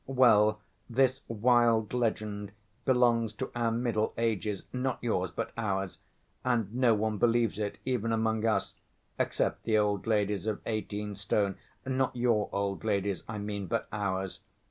Well, this wild legend belongs to our middle ages—not yours, but ours—and no one believes it even among us, except the old ladies of eighteen stone, not your old ladies I mean, but ours.